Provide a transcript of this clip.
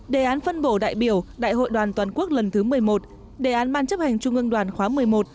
đề án phân bổ đại biểu đại hội đoàn toàn quốc lần thứ một mươi một đề án ban chấp hành trung ương đoàn khóa một mươi một